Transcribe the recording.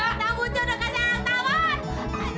anak bucoh dengan si anak tawon